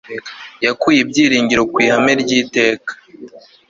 yakuye ibyiringiro ku ihame ry'iteka